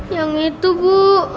yang itu bu